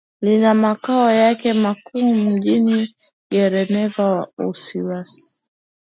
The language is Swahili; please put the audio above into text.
lina makao yake makuu mjini geneva Uswisi